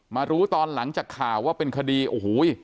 มารู้ตอนหลังจากข่าวว่าเป็นคดีโอ้โห